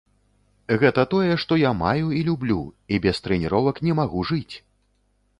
Гэта тое, што я маю і люблю, і без трэніровак не магу жыць!